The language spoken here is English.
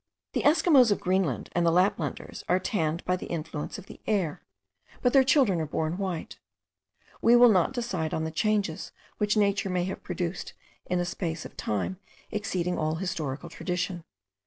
The Esquimaux of Greenland and the Laplanders are tanned by the influence of the air; but their children are born white. We will not decide on the changes which nature may have produced in a space of time exceeding all historical tradition.